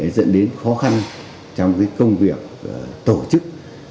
dẫn đến khó khăn trong công việc tổ chức